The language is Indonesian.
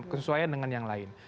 kesusuaian dengan yang lain